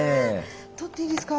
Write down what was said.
撮っていいですか？